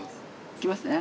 いきますね。